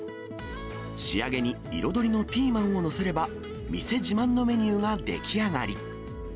仕上げに彩りのピーマンを載せれば、店自慢のメニューが出来上がり。